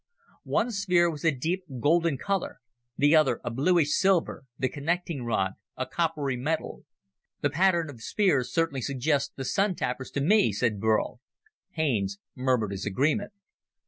One sphere was a deep, golden color, the other a bluish silver, the connecting rod a coppery metal. "The pattern of spheres certainly suggests the Sun tappers to me," said Burl. Haines murmured his agreement.